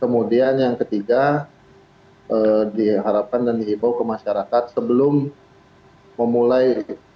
kemudian yang ketiga diharapkan dan dihibau ke masyarakat sebelum memulai